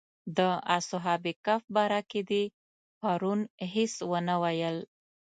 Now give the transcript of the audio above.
د اصحاب کهف باره کې دې پرون هېڅ ونه ویل.